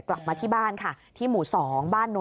กลับมาที่บ้านค่ะที่หมู่๒บ้านโน